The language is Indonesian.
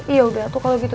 iya udah tuh kalau gitu